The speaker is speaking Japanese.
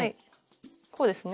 こうですね？